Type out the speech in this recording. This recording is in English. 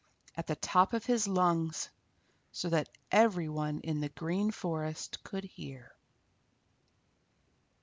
at the top of his lungs, so that every one in the Green Forest could hear.